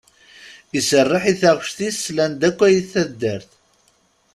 Iserreḥ i taɣect-is slan-d akk At taddart.